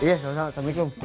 iya sama sama assalamu'alaikum